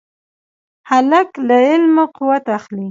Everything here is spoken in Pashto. هلک له علمه قوت اخلي.